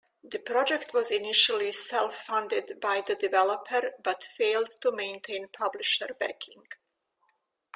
The project was initially self-funded by the developer but failed to maintain publisher backing.